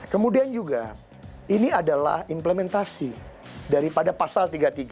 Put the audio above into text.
kemudian juga ini adalah implementasi daripada pasal tiga puluh tiga